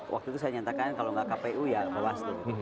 waktu itu saya nyatakan kalau gak kpu ya kewas itu